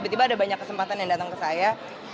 tiba tiba ada banyak kesempatan yang datang ke saya